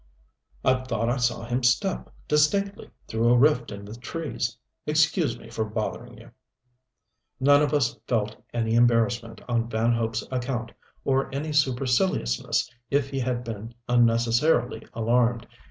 I thought I saw him step, distinctly, through a rift in the trees. Excuse me for bothering you." None of us felt any embarrassment on Van Hope's account, or any superciliousness if he had been unnecessarily alarmed.